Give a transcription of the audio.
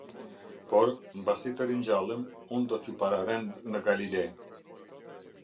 Por, mbasi të ringjallem, unë do t’ju pararend në Galile".